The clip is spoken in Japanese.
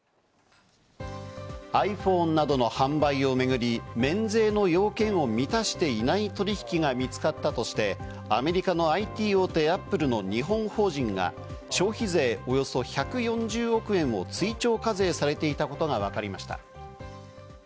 ｉＰｈｏｎｅなどの販売をめぐり免税の要件を満たしていない取引が見つかったとして、アメリカのＩＴ大手・アップルの日本法人が消費税およそ１４０億円を追徴課税されていたことがわかりました。